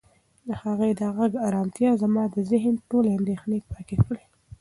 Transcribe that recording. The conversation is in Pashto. د هغې د غږ ارامتیا زما د ذهن ټولې اندېښنې پاکې کړې.